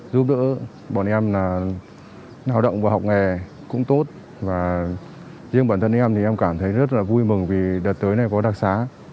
giúp đỡ bọn em là lao động và học nghề cũng tốt và riêng bản thân em thì em cảm thấy rất là vui mừng vì đợt tới này có đặc sá